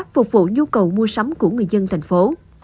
phục vụ nhu cầu mua sắm của người dân thành phố